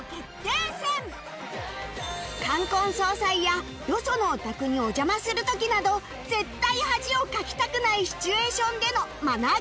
冠婚葬祭やよそのお宅にお邪魔する時など絶対恥をかきたくないシチュエーションでのマナー